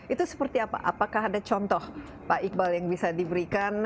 itu seperti apa apakah ada contoh pak iqbal yang bisa diberikan